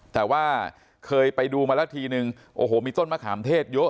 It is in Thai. แต่ว่าเคยไปดูมาแล้วทีนึงโอ้โหมีต้นมะขามเทศเยอะ